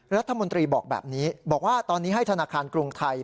รัฐมนตรีบอกแบบนี้บอกว่าตอนนี้ให้ธนาคารกรุงไทย